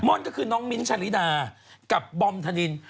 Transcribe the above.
่อนก็คือน้องมิ้นท์ชาลิดากับบอมธนิน